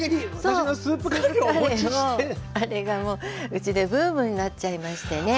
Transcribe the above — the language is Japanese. あれがもううちでブームになっちゃいましてね。